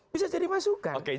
bisa jadi masukan